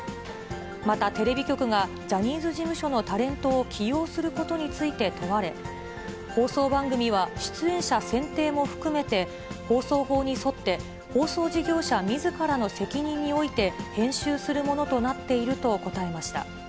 また、テレビ局がジャニーズ事務所のタレントを起用することについて問われ、放送番組は出演者選定も含めて、放送法に沿って、放送事業者みずからの責任において編集するものとなっていると答えました。